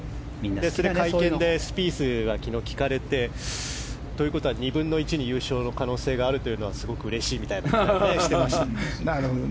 それを会見でスピースが昨日、聞かれてということは２分の１に優勝の可能性があるというのはすごくうれしいみたいな話をしていました。